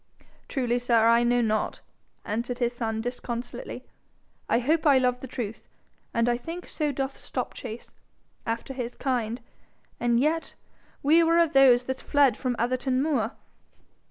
'Truly, sir, I know not,' answered his son, disconsolately. 'I hope I love the truth, and I think so doth Stopchase, after his kind; and yet were we of those that fled from Atherton moor.'